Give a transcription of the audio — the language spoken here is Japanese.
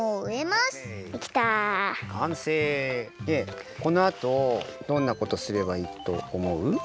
でこのあとどんなことすればいいとおもう？